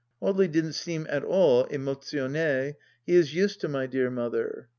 Audely didn't seem at all imotionni ; he is used to my dear mother.